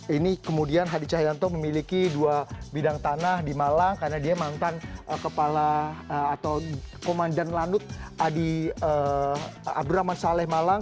ini kemudian hadi cahyanto memiliki dua bidang tanah di malang karena dia mantan kepala atau komandan lanut adi abdurrahman saleh malang